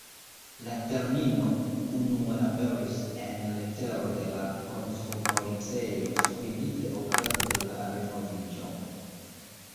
La termino unue aperis en letero de la konstrupolicejo skribite okaze de la renoviĝo.